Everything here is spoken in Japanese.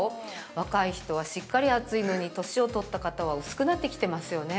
若い人はしっかり厚いのに年をとった方は薄くなってきてますよね。